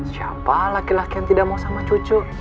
siapa laki laki yang tidak mau sama cucu